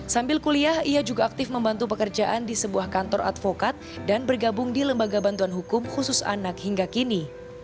sambil kuliah ia juga aktif membantu pekerjaan di sebuah kantor advokat dan bergabung di lembaga bantuan hukum khusus anak hingga kini